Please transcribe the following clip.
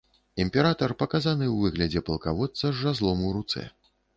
Імператар паказаны ў выглядзе палкаводца з жазлом у руцэ.